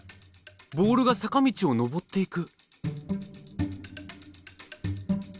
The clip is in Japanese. ボールが坂道を上っていく。